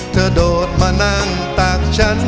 เธอโดดมานั่งตากฉัน